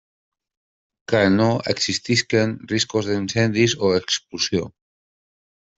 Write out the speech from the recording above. Que no existisquen riscos d'incendis o explosió.